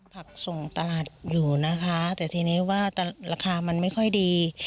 ผักส่งตลาดอยู่นะคะแต่ทีนี้ว่าราคามันไม่ค่อยดี